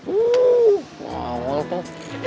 uuuh enak banget tuh